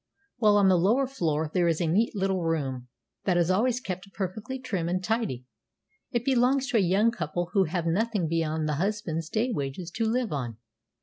"Well, on the lower floor there is a neat little room, that is always kept perfectly trim and tidy; it belongs to a young couple who have nothing beyond the husband's day wages to live on.